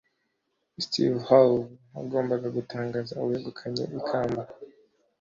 Steve Harvey wagombaga gutangaza uwegukanye ikamba